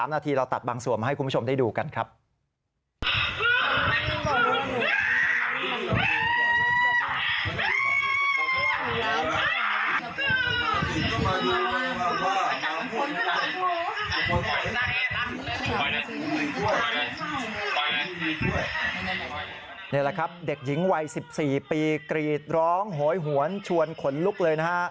นี่แหละครับเด็กหญิงวัย๑๔ปีกรีดร้องโหยหวนชวนขนลุกเลยนะฮะ